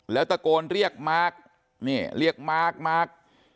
แล้วตะโกนเรียกมาร์คนี่เรียกมาร์คมาร์ค